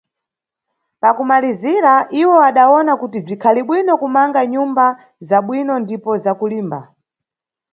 Pakumalizira, iwo adawona kuti bzikhalibwino kumanga nyumba za bwino ndipo za kulimba.